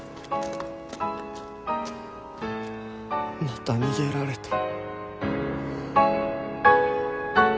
また逃げられた。